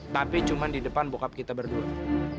tapi cuma di depan bokap kita berdua